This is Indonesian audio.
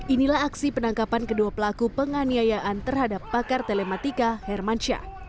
inilah aksi penangkapan kedua pelaku penganiayaan terhadap pakar telematika hermansyah